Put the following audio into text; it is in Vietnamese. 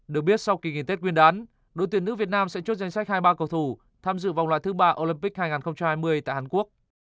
được biết sau kỳ nghỉ tết nguyên đán đội tuyển nữ việt nam sẽ chốt danh sách hai mươi ba cầu thủ tham dự vòng loại thứ ba olympic hai nghìn hai mươi tại hàn quốc